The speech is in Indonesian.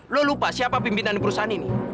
lo lupa siapa pimpinan perusahaan ini